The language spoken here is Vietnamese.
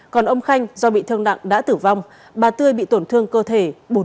còn ông khanh do bị thương nặng đã tử vong bà tươi bị tổn thương cơ thể bốn mươi bốn